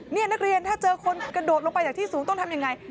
นี่นักเรียนถ้าเจอคนกระโดดลงไปจากที่สูงต้องทำยังไง